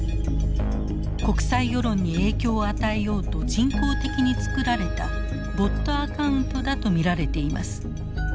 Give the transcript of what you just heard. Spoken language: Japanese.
国際世論に影響を与えようと人工的に作られたボットアカウントだと見られています。